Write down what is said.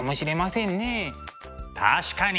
確かに！